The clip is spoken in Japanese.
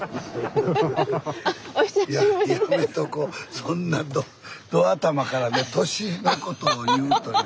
そんなど頭からね年のことを言うという。